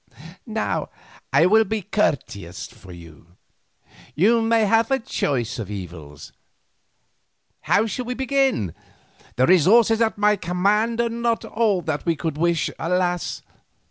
Now I will be courteous with you. You may have a choice of evils. How shall we begin? The resources at my command are not all that we could wish, alas!